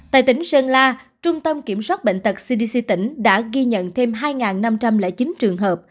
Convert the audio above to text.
tại tỉnh sơn la trung tâm kiểm soát bệnh tật cdc tỉnh đã ghi nhận thêm hai năm trăm linh chín trường hợp